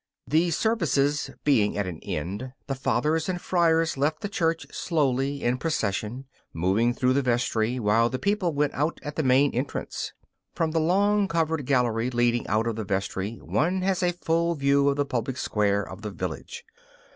The services being at an end, the Fathers and friars left the church slowly in procession, moving through the vestry, while the people went out at the main entrance. From the long covered gallery leading out of the vestry one has a full view of the public square of the village.